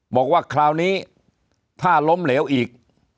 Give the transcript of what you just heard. บอกว่าคราวนี้ถ้าล้มเหลวอีก